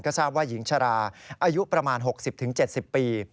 ก็ทราบว่าหญิงชราอายุประมาณ๖๐๗๐ปี